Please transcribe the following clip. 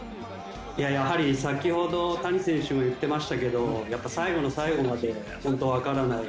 先ほど谷選手も言ってましたが、最後の最後まで本当わからない。